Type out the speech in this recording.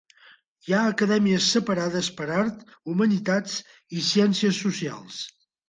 Hi ha acadèmies separades per Art, Humanitats i Ciències Socials.